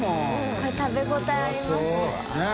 これ食べ応えありますね。ねぇ。